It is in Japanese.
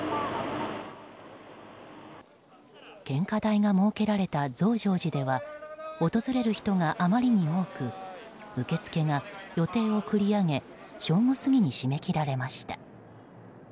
献花台が設けられた増上寺では訪れる人があまりに多く受け付けが予定を繰り上げ正午過ぎに締め切られました。